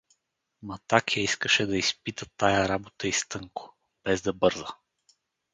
Матаке искаше да изпита тая работа изтънко, без да бърза.